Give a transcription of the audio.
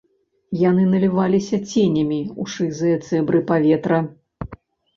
Яны наліваліся ценямі ў шызыя цэбры паветра.